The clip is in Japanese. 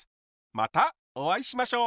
またお会いしましょう！